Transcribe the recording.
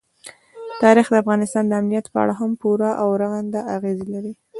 تاریخ د افغانستان د امنیت په اړه هم پوره او رغنده اغېز لري.